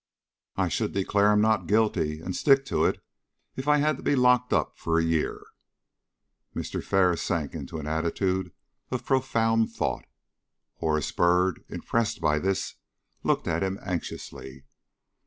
"I should declare him 'Not guilty,' and stick to it, if I had to be locked up for a year." Mr. Ferris sank into an attitude of profound thought. Horace Byrd, impressed by this, looked at him anxiously.